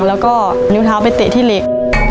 แล้วก็นิ้วเท้าไปเตะที่เหล็ก